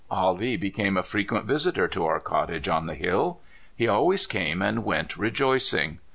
Ah Lee became a frequent visitor to our cottage on the hill. He always came and went rejoicing.